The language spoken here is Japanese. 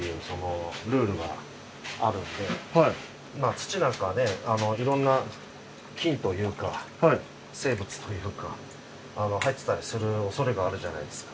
土なんかはねいろんな菌というか生物というか入ってたりする恐れがあるじゃないですか。